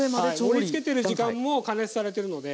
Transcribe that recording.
盛りつけてる時間も加熱されてるので。